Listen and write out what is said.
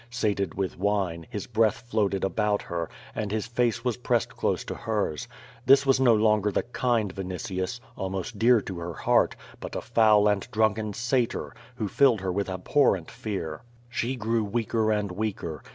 Sated with wine, his breath floated about her, and his face was pressed close to hers. This was no longer the kind Vinitius, almost dear to her heart, but a foul and drunken Satyr, who filled her with ab horrent fear. She grew weaker and weaker.